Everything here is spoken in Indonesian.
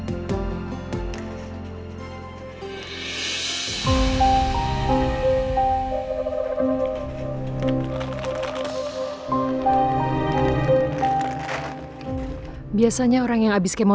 untuk stoknya tinggal itu aja